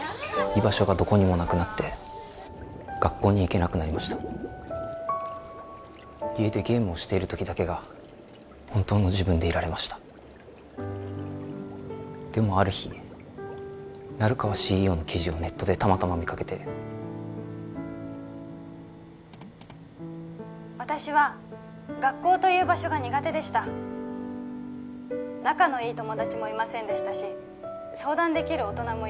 居場所がどこにもなくなって学校に行けなくなりました家でゲームをしている時だけが本当の自分でいられましたでもある日成川 ＣＥＯ の記事をネットでたまたま見かけて仲のいい友達もいませんでしたし